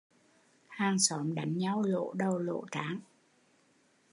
Hàng xóm đánh nhau lỗ đầu lỗ trán